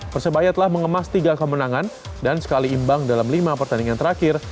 persebaya telah mengemas tiga kemenangan dan sekali imbang dalam lima pertandingan terakhir